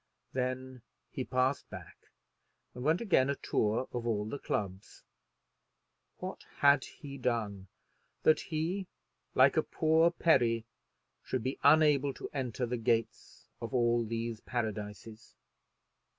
Then he passed back and went again a tour of all the clubs. What had he done that he, like a poor Peri, should be unable to enter the gates of all these paradises?